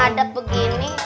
pokoknya ada begini